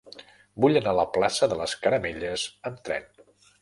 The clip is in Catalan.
Vull anar a la plaça de les Caramelles amb tren.